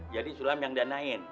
jadi sulam yang danain